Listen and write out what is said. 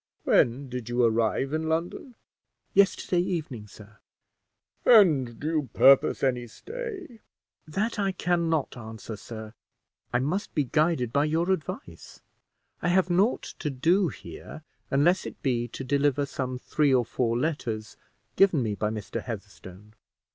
"When did you arrive in London?" "Yesterday evening, sir." "And do you purpose any stay?" "That I can not answer, sir; I must be guided by your advice. I have naught to do here, unless it be to deliver some three or four letters, given me by Mr. Heatherstone."